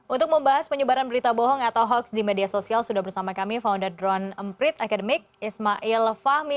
untuk membahas penyebaran berita bohong atau hoax di media sosial sudah bersama kami founder drone emprit academik ismail fahmi